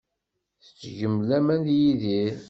Tettgem laman deg Yidir.